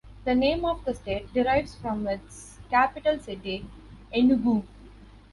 The name of the state derives from its capital city, Enugu.